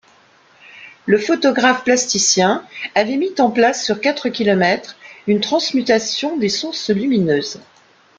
Le photographe-plasticien avait mis en place sur quatre kilomètres une transmutation des sources lumineuses.